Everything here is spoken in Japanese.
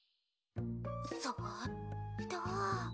そっと。